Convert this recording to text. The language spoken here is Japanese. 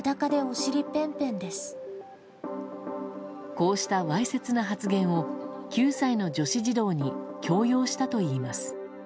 こうしたわいせつな発言を９歳の女子児童に強要したといいます。